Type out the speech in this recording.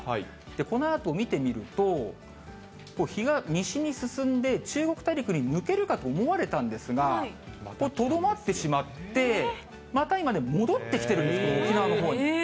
このあと見てみると、西に進んで、中国大陸に抜けるかと思われたんですが、とどまってしまって、また今ね、戻ってきてるんですよ、沖縄のほうに。